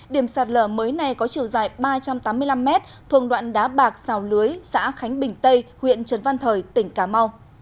điểm sạt lở mới này có chiều dài ba trăm tám mươi năm mét thuồng đoạn đá bạc xào lưới xã khánh bình tây huyện trần văn thời tỉnh cà mau